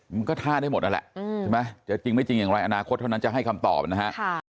มันก็ท่าได้หมดนั่นแหละใช่ไหมจะจริงไม่จริงอย่างไรอนาคตเท่านั้นจะให้คำตอบนะฮะ